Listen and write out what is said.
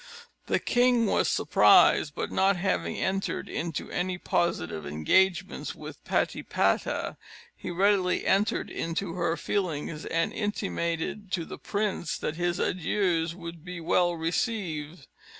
The king was surprised; but, not having entered into any positive engagements with Patipata, he readily entered into her feelings, and intimated to the prince that his adieus would be well received.